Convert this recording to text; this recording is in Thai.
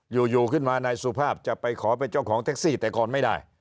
อยู่ขึ้นมานายสุภาพจะไปขอเป็นเจ้าของแท็กซี่แต่ก่อนไม่ได้